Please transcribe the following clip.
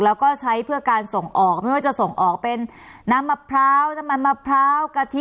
แล้วก็ใช้เพื่อการส่งออกไม่ว่าจะส่งออกเป็นน้ำมะพร้าวน้ำมันมะพร้าวกะทิ